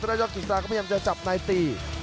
ถ้าได้ยอดกิสดาก็พยายามจะจับในตี